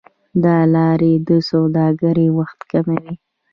دا لارې د سوداګرۍ وخت کموي.